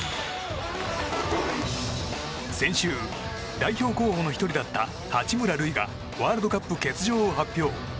先週、代表候補の１人だった八村塁がワールドカップ欠場を発表。